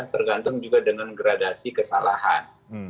tergantung juga dengan gradasi kesalahan